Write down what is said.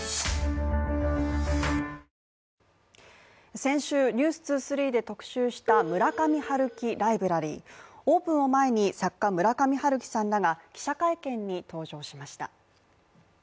先週、「ｎｅｗｓ２３」で特集した村上春樹ライブラリー、オープンを前に作家、村上春樹さんらが記者会見に登場しました。